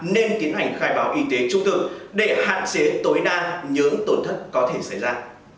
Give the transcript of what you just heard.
nên tiến hành khai báo y tế trung tự để hạn chế tối đa những tổn thất có thể xảy ra